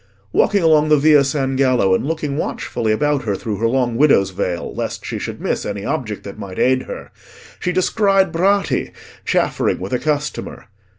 Walking along the Via San Gallo, and looking watchfully about her through her long widow's veil, lest she should miss any object that might aid her, she descried Bratti chaffering with a customer.